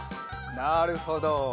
なるほど！